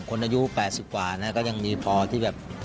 คนอายุ๘๐กว่านะก็ยังมีพอที่แบบ